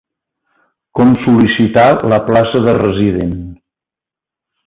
Com sol·licitar la plaça de resident.